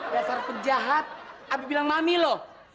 mas arfi jahat abi bilang mami loh